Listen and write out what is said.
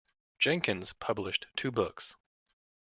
Jenkings published two books.